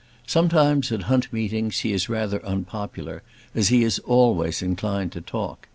Sometimes at hunt meetings he is rather unpopular, as he is always inclined to talk.